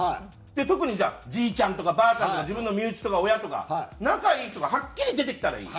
特にじゃあじいちゃんとかばあちゃんとか自分の身内とか親とか仲いい人がはっきり出てきたらいい。